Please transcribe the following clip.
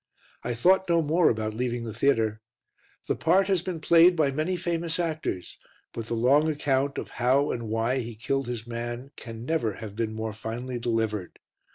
I thought no more about leaving the theatre. The part has been played by many famous actors, but the long account of how and why he killed his man can never have been more finely delivered.